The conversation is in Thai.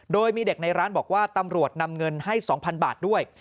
โดยมีเด็กในร้านบอกว่าตำรวจนำเงินให้๒๐๐๐บาทด้วย